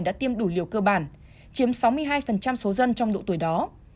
đã tiêm đủ liều cơ bản chiếm sáu mươi hai số dân trong độ tuổi đó